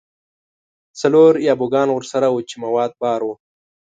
څلور یا بوګان ورسره وو چې مواد بار وو.